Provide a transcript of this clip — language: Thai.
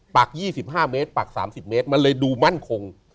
ปักยี่สิบห้าเมตรปักสามสิบเมตรมันเลยดูมั่นคง